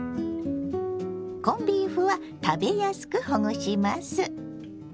コンビーフは食べやすくほぐします。